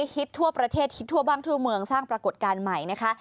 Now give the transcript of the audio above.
ฮิตทั่วประเทศฮิตทั่วบ้านทั่วเมืองสร้างปรากฏการณ์ใหม่นะคะ